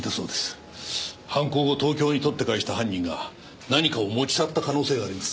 犯行後東京に取って返した犯人が何かを持ち去った可能性があります。